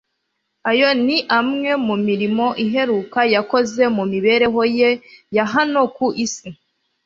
ayo ni- amwe mu mirimo iheruka yakoze mu mibereho ye ya hano ku isi.